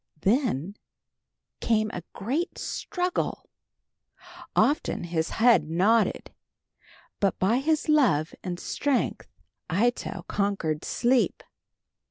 Then came a great struggle. Often his head nodded, but by his love and strength Ito conquered sleep.